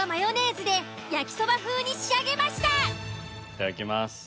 いただきます。